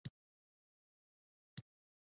خو د پښتنو ملتپاله ګوندونو